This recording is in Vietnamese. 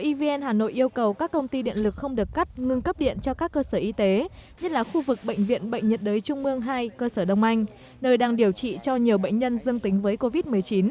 evn hà nội yêu cầu các công ty điện lực không được cắt ngưng cấp điện cho các cơ sở y tế nhất là khu vực bệnh viện bệnh nhiệt đới trung mương hai cơ sở đông anh nơi đang điều trị cho nhiều bệnh nhân dương tính với covid một mươi chín